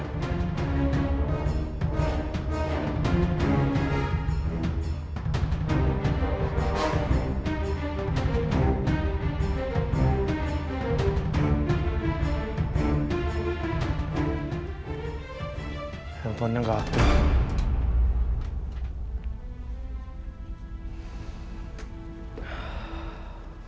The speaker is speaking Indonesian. teleponnya enggak aktif